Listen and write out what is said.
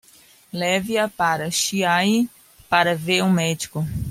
Leve-a para Chiayi para ver um médico.